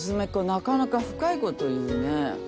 なかなか深いこと言うね。